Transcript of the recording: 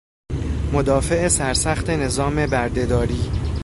مدافع سرسخت نظام بردهداری